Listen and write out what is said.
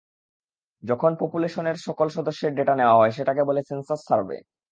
যখন পপুলেশনের সকল সদস্যের ডেটা নেয়া হয় সেটাকে বলা হয় সেন্সাস সার্ভে।